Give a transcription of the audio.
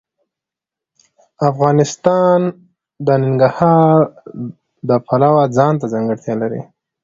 افغانستان د ننګرهار د پلوه ځانته ځانګړتیا لري.